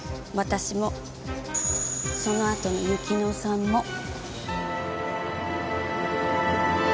私もそのあとの雪乃さんも。